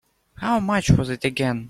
How much was it again?